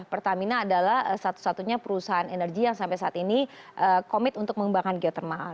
pertamina adalah satu satunya perusahaan energi yang sampai saat ini komit untuk mengembangkan geotermal